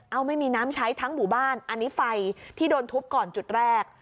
เอาไม่มีน้ำใช้ทั้งหมู่บ้านอันนี้ไฟที่โดนทุบก่อนจุดแรก